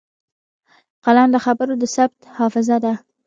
قلم د خبرو د ثبت حافظه ده